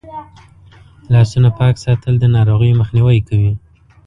لاسونه پاک ساتل د ناروغیو مخنیوی کوي.